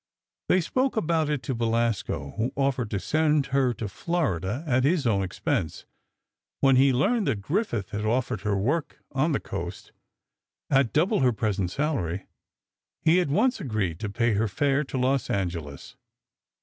They spoke about it to Belasco, who offered to send her to Florida at his own expense. When he learned that Griffith had offered her work on the coast, at double her present salary, he at once agreed to pay her fare to Los Angeles.